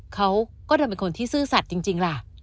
เขาก็จะเป็นคนที่ซื่อสัตว์จริงล่ะ